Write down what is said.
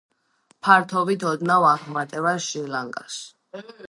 ფართობით ოდნავ აღემატება შრი-ლანკას.